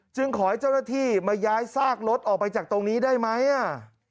ขอให้เจ้าหน้าที่มาย้ายซากรถออกไปจากตรงนี้ได้ไหมอ่ะ